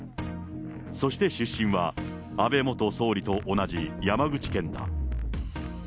そして出身は、安倍元総理と同じ山口県だ。